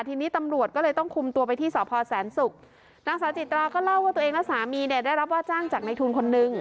ทีนี้ตำรวจก็เลยต้องคุมตัวไปที่สพแสนศุกร์นางสาวจิตราก็เล่าว่าตัวเองและสามีเนี่ยได้รับว่าจ้างจากในทุนคนนึง